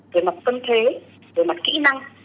về mặt phân thế về mặt kỹ năng